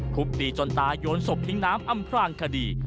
ทุบตีจนตายโยนศพทิ้งน้ำอำพลางคดี